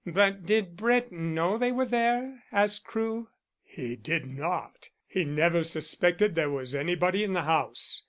"But did Brett know they were there?" asked Crewe. "He did not; he never suspected there was anybody in the house.